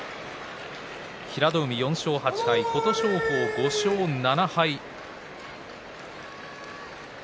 平戸海４勝８敗、琴勝峰５勝７敗。